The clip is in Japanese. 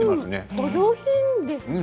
お上品ですね